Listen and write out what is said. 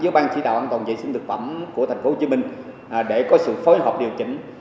với ban chỉ đạo an toàn vệ sinh thực phẩm của tp hcm để có sự phối hợp điều chỉnh